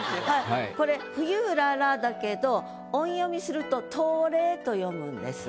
これ「冬麗」だけど音読みすると「とうれい」と読むんです。